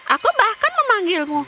aku bahkan memanggilmu